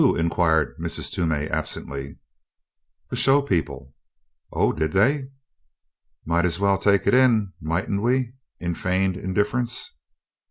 inquired Mrs. Toomey, absently. "The show people." "Oh, did they?" "Might as well take it in, mightn't we?" in feigned indifference.